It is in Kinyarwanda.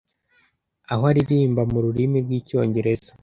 aho aririmba mu rurimi rw’icyongereza